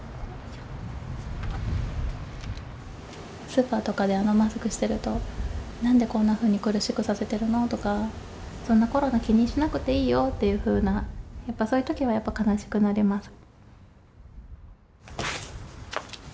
スーパーとかであのマスクしてると、なんでこんなふうに苦しくさせてるの？とか、そんなコロナ気にしなくていいよっていうふうな、やっぱそういうときは悲しくなります。